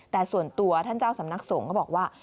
แต่ส่วนตัวท่านเจ้าสำนักสงฆ์ก็บอกว่า